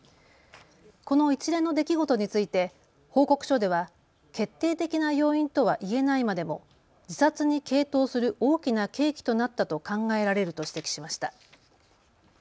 この一連の出来事について報告書では決定的な要因とは言えないまでも自殺に傾倒する大きな契機となったと考えられると指摘しました。